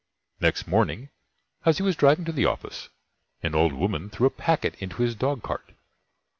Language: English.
Next morning, as he was driving to the office, an old woman threw a packet into his dog cart.